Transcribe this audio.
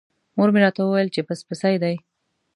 مور مې راته وویل چې پس پسي دی.